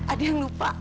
ada yang lupa